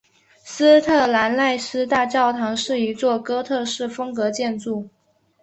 斯特兰奈斯大教堂是一座哥特式风格建筑。